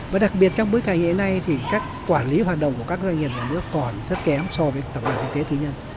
và đặc biệt trong bối cảnh hiện nay thì các quản lý hoạt động của các doanh nghiệp nhà nước còn rất kém so với tập đoàn kinh tế tư nhân